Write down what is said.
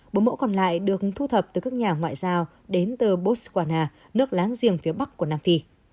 bốn mẫu còn lại được thu thập từ các nhà ngoại giao đến từ botswana nước láng giềng phía bắc của nam phi